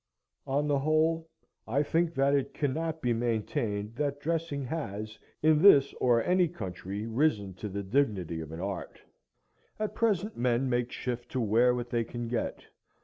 On the whole, I think that it cannot be maintained that dressing has in this or any country risen to the dignity of an art. At present men make shift to wear what they can get.